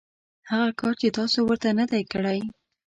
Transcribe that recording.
هغه کار چې تاسو ورته نه دی کړی .